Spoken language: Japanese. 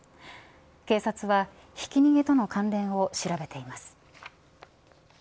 警察はひき逃げとの関連を調べています。